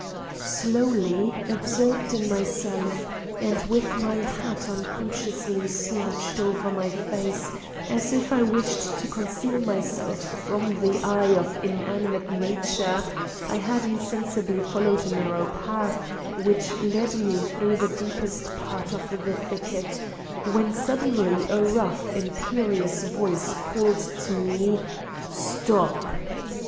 "Slowly absorbed in myself, and with my hat unconsciously slouched over my face, as if I wished to conceal myself from the eye of inanimate nature, I had insensibly followed a narrow path, which led me through the deepest part of the thicket when suddenly a rough imperious voice called to me, 'stop.